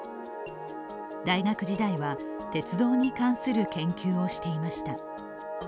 大学時代は鉄道に関する研究をしていました。